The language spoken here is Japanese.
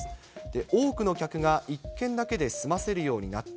多くの客が一軒だけで済ませるようになった。